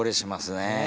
ねえ。